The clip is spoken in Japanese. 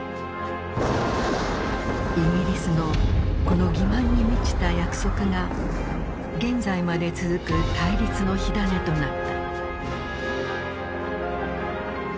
イギリスのこの欺瞞に満ちた約束が現在まで続く対立の火種となった。